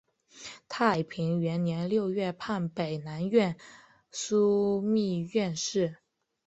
太平元年六月判北南院枢密院事。